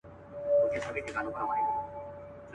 ویل دا پنیر کارګه ته نه ښایيږي.